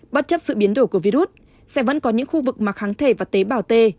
bất chấp sự biến đổi của virus sẽ vẫn có những khu vực mà kháng thể và tế bào t